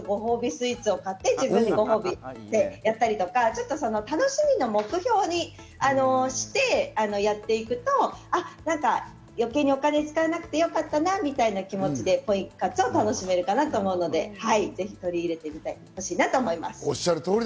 スイーツを買って自分にご褒美とかやったりとか、楽しむ目標にしてやっていくと余計にお金を使わなくてもよかったなという気持ちでポイ活を楽しめるかなと思うので、ぜひとり入れてほしいなと思います。